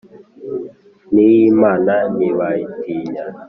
niy’imana ntibayitinya